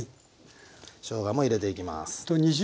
しょうがも入れていきます。